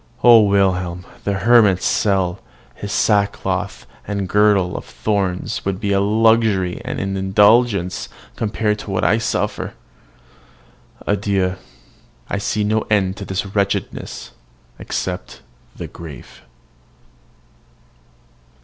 O Wilhelm! the hermit's cell, his sackcloth, and girdle of thorns would be luxury and indulgence compared with what I suffer. Adieu! I see no end to this wretchedness except the grave.